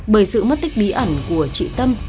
bởi sự mất tích bí ẩn của chị tâm